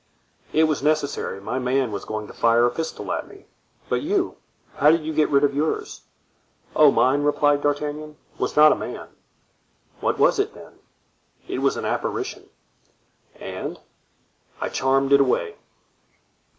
"It was necessary; my man was going to fire a pistol at me; but you—how did you get rid of yours?" "Oh, mine," replied D'Artagnan, "was not a man." "What was it then?" "It was an apparition." "And——" "I charmed it away."